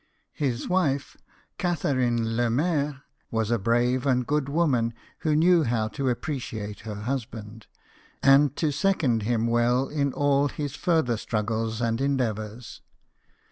His wife, Catharine Lemaire, was a brave and good woman, who knew how to appreciate her husband, and to second him well in all his further struggles and endeavours.